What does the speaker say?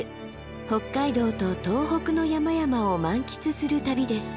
北海道と東北の山々を満喫する旅です。